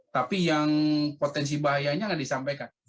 tapi yang potensi bahayanya nggak disampaikan